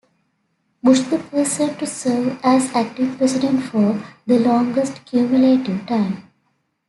Bush the person to serve as Acting President for the longest cumulative time.